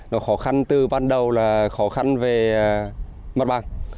nó khó khăn từ ban đầu là khó khăn về mặt bằng